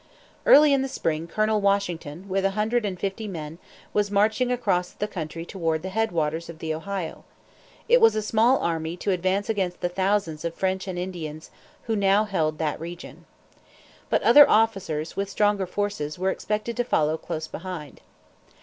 Early in the spring Colonel Washington, with a hundred and fifty men, was marching across the country toward the head waters of the Ohio. It was a small army to advance against the thousands of French and Indians who now held that region. But other officers, with stronger forces, were expected to follow close behind.